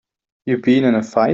You been in a fight?